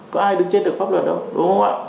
có ai đứng trên được pháp luật đâu đúng không ạ